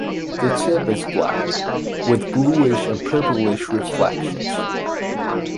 The tip is black, with bluish and purplish reflections.